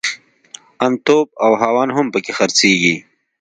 ان توپ او هاوان هم پکښې خرڅېږي.